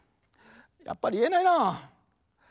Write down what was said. やっぱりいえないなぁ。